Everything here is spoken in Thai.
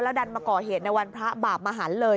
ดันมาก่อเหตุในวันพระบาปมหันเลย